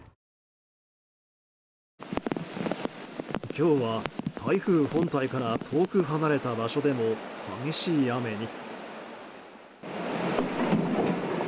今日は台風本体から遠く離れた場所でも激しい雨に。